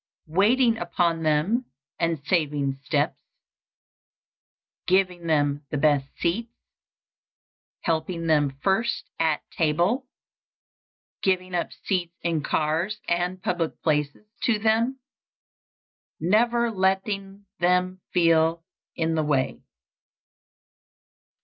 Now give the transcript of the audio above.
_ Waiting upon them and saving steps. Giving them the best seats. Helping them first at table. Giving up seats in cars and public places to them. _Never letting them feel in the way.